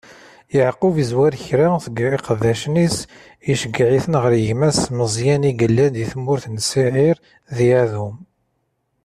Yeɛqub izzwer kra seg iqeddacen-is, iceggeɛ-iten ɣer gma-s Meẓyan, i yellan di tmurt n Siɛir, di Adum.